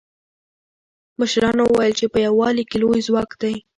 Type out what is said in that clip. مشرانو وویل چې په یووالي کې لوی ځواک دی.